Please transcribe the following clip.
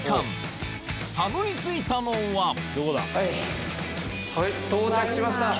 たどり着いたのははい到着しました。